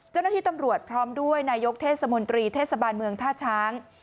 เจ้าหน้าที่ตำรวจพร้อมด้วยนายกเทศมนตรีเทศบาลเมืองท่าช้าง